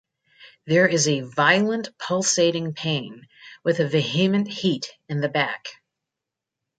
There is a violent pulsating pain, with a vehement heat in the back.